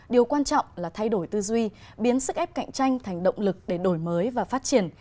điều quan trọng là thay đổi tư duy biến sức ép cạnh tranh thành động lực để đổi mới và phát triển